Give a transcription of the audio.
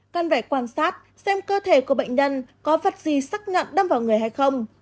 cần phải quan sát xem cơ thể của bệnh nhân có vật gì sắc nạn đâm vào người hay không